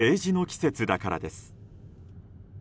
答えは政治の季節だからです。